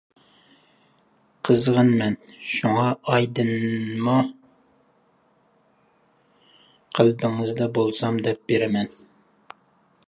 قىزغىنىمەن شۇڭا ئايدىنمۇ، قەلبىڭىزدە بولسام دەپ بىرمەن.